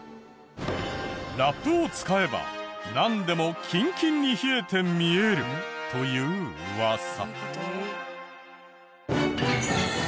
ラップを使えばなんでもキンキンに冷えて見えるというウワサ。